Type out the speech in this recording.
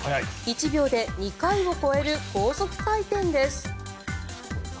１秒で２回を超える高速回転です。